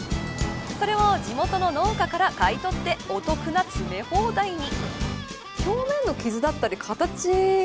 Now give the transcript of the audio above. それを地元の農家から買い取ってお得な詰め放題に。